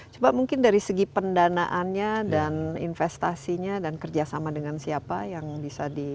coba mungkin dari segi pendanaannya dan investasinya dan kerjasama dengan siapa yang bisa di